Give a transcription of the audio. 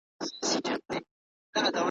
ارغوان او هر ډول ښکلیو `